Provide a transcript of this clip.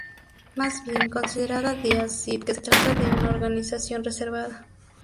Más bien, considera Díaz Cid que se trata de una organización reservada.